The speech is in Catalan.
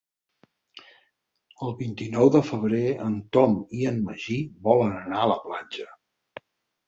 El vint-i-nou de febrer en Tom i en Magí volen anar a la platja.